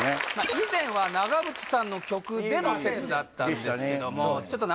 以前は長渕さんの曲での説だったんですけどもでしたね